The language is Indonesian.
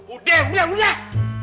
udah udah udah